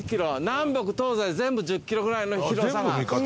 南北東西全部１０キロぐらいの広さがあるんです。